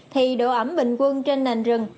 thì độ ẩm bình quân trên nền rừng